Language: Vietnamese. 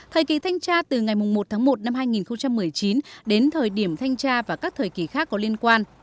thời kỳ thanh tra từ ngày một tháng một năm hai nghìn một mươi chín đến thời điểm thanh tra và các thời kỳ khác có liên quan